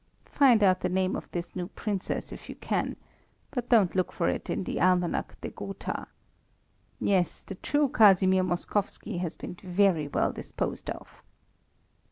Find out the name of this new princess if you can, but don't look for it in the Almanach de Gotha. Yes, the true Casimir Moskowski has been very well disposed of.